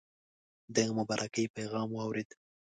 د مبارکی پیغام واورېد.